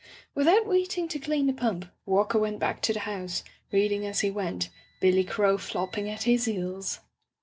'" Without waiting to clean the pump. Walker went back to the house, reading as he went, Billy Crow flopping at his heels.